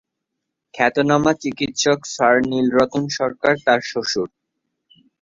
খ্যাতনামা চিকিৎসক স্যার নীলরতন সরকার তার শ্বশুর।